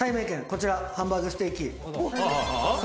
こちらハンバーグステーキ。